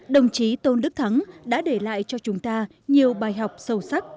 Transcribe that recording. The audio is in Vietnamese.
đồng chí tôn đức thắng đã để lại cho chúng ta nhiều bài học sâu sắc